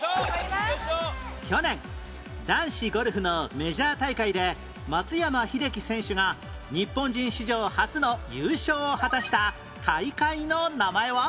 去年男子ゴルフのメジャー大会で松山英樹選手が日本人史上初の優勝を果たした大会の名前は？